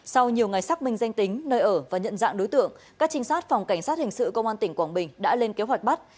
sau nhiều ngày xác minh danh tính nơi ở và nhận dạng đối tượng các trinh sát phòng cảnh sát hình sự công an tỉnh quảng bình đã lên kế hoạch bắt